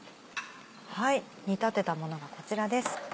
煮立てたものがこちらです。